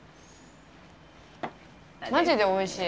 まじでおいしい。